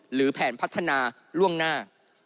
หรือแผนพัฒนาล่วงหน้า